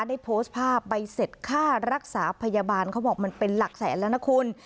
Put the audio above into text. ได้โพสต์ภาพใบเสร็จค่ารักษาพยาบาลเขาบอกมันเป็นหลักแสนแล้วนะคุณ